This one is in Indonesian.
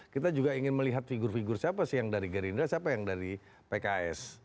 kita juga ingin melihat figur figur siapa sih yang dari gerindra siapa yang dari pks